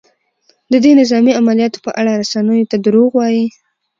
د دې نظامي عملیاتو په اړه رسنیو ته دروغ وايي؟